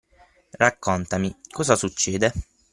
Raccontami, cosa succede?